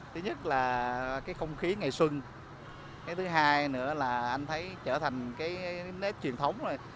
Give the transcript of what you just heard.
thứ nhất là cái không khí ngày xuân cái thứ hai nữa là anh thấy trở thành cái nét truyền thống này